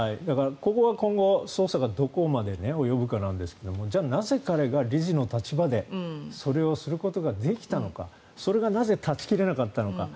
ここは今後、捜査がどこまで及ぶかなんですがじゃあ、なぜ彼が理事の立場でそれをすることができたのかそれがなぜ断ち切れなかったのか。